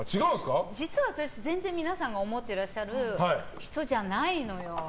実は、私皆さんが思ってらっしゃる人じゃないのよ。